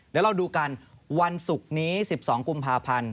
เดี๋ยวเราดูกันวันศุกร์นี้๑๒กุมภาพันธ์